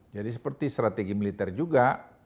jadi seperti strategi militer juga